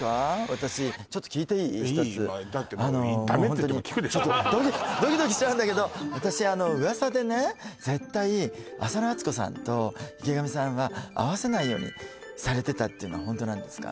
私一ついいだってドキドキしちゃうんだけど私噂でね絶対浅野温子さんと池上さんは会わせないようにされてたっていうのは本当なんですか？